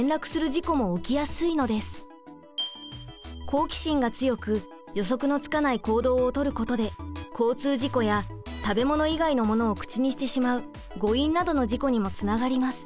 好奇心が強く予測のつかない行動を取ることで交通事故や食べ物以外のものを口にしてしまう誤飲などの事故にもつながります。